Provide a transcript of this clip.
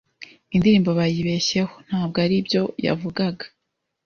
indirimbo bayibeshyeho, ntabwo ari byo yavugaga